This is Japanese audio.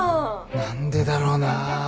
何でだろうな。